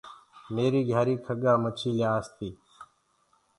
ميري گھيآري کڳآ مڇي پآس تي۔